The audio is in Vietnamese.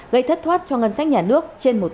gây thất thoát cho ngân sách nhà nước trên một tỷ đồng